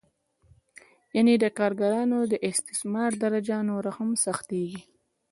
یانې د کارګرانو د استثمار درجه نوره هم سختېږي